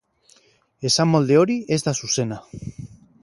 Esamolde hori ez da zuzena.